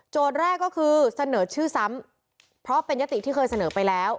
แรกก็คือเสนอชื่อซ้ำเพราะเป็นยติที่เคยเสนอไปแล้ว